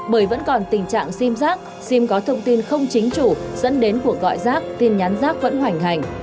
bởi vẫn còn tình trạng sim giác sim có thông tin không chính chủ dẫn đến cuộc gọi rác tin nhắn rác vẫn hoành hành